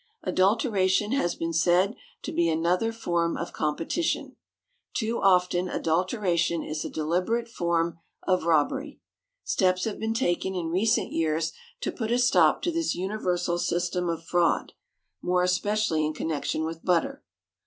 Adulteration has been said to be another form of competition. Too often adulteration is a deliberate form of robbery. Steps have been taken in recent years to put a stop to this universal system of fraud, more especially in connection with butter.